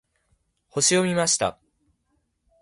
星を見ました。